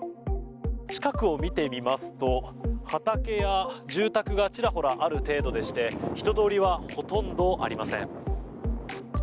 近くを見てみますと畑や住宅がちらほらある程度でして人通りはほとんどありません。